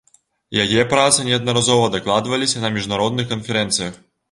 Яе працы неаднаразова дакладваліся на міжнародных канферэнцыях.